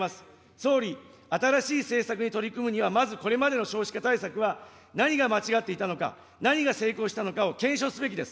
総理、新しい政策に取り組むには、まずこれまでの少子化対策は、何が間違っていたのか、何が成功したのかを検証すべきです。